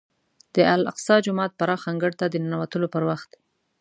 د الاقصی جومات پراخ انګړ ته د ننوتلو پر وخت.